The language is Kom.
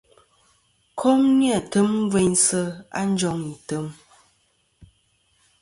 Kom ni-a tem gveynsɨ̀ a njoŋ item.